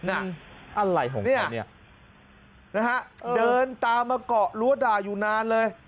อะไรของเนี่ยนะฮะเดินตามมาเกาะรั้วด่าอยู่นานเลย